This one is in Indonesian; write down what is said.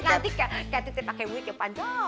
nanti kak kak titi pakai wig yang panjang